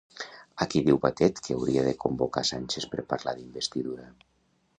A qui diu Batet que hauria de convocar Sánchez per parlar d'investidura?